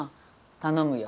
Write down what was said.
頼むよ。